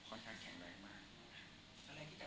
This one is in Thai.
ค่อนข้างแข็งแรงมาก